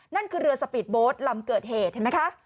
นั่นคือเรือสปีดโบสต์ลำเกิดเหตุเห็นไหมคะ